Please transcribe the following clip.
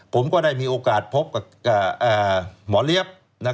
ผมก็ได้มีโอกาสพบกับหมอเลี้ย